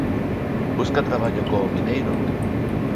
Busca traballo como mineiro?